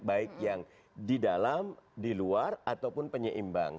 baik yang di dalam di luar ataupun penyeimbang